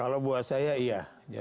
kalau buat saya iya